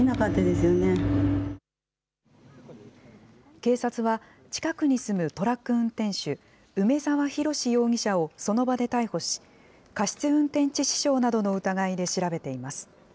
警察は、近くに住むトラック運転手、梅澤洋容疑者をその場で逮捕し、過失運転致死傷などの疑いで調べています。